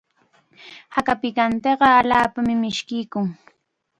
Haka pikantiqa allaapam mishkiykun.